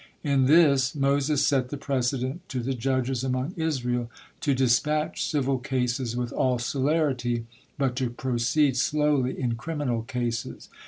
In this Moses set the precedent to the judges among Israel to dispatch civil cases with all celerity, but to proceed slowly in criminal cases.